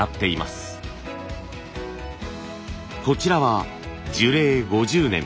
こちらは樹齢５０年。